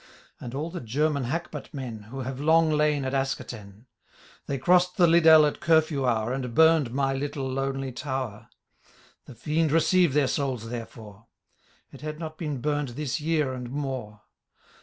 And all tiie German hackbut men,' Who have long lain at Askerten : They crossed the Liddel at curfew hour. And bum'd my little lonely tower : The fiend receive their soijs therefor ! It had not been burnt this year and more.